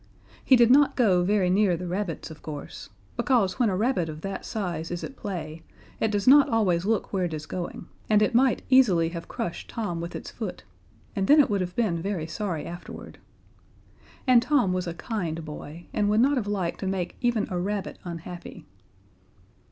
He did not go very near the rabbits, of course, because when a rabbit of that size is at play it does not always look where it is going, and it might easily have crushed Tom with its foot, and then it would have been very sorry afterward. And Tom was a kind boy, and would not have liked to make even a rabbit unhappy.